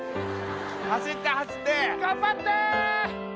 走って走って頑張って！